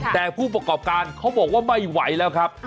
แต่ผู้ประกอบการเขาบอกว่าไม่ไหวแล้วครับ